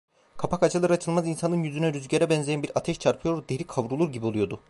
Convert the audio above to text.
Kapak açılır açılmaz insanın yüzüne rüzgara benzeyen bir ateş çarpıyor, deri kavrulur gibi oluyordu.